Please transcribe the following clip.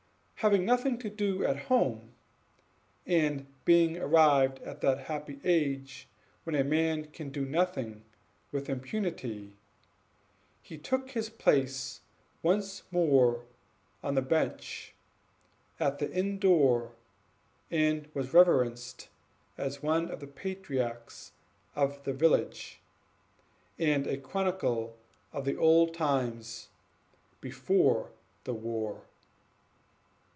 Having nothing to do at home, and being arrived at that happy age when a man can be idle with impunity, he took his place once more on the bench at the inn door, and was reverenced as one of the patriarchs of the village, and a chronicle of the old times "before the war."